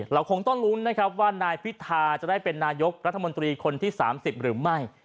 เราคงต้องลุ้นนะครับว่านายพิธาจะได้เป็นนายกรัฐมนตรีคนที่๓๐หรือไม่